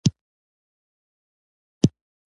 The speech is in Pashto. د ډېره غمه مې د ځان سره خبري کولې